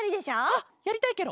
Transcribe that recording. あっやりたいケロ！